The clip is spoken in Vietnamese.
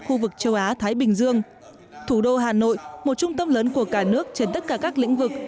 khu vực châu á thái bình dương thủ đô hà nội một trung tâm lớn của cả nước trên tất cả các lĩnh vực